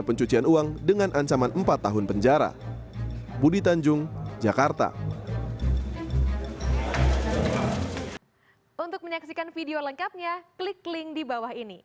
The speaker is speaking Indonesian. pembangunan musola tersebut tidak ada